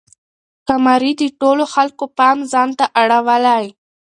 کمرې د ټولو خلکو پام ځان ته اړولی.